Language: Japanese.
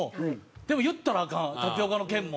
でも言ったらアカンタピオカの件も。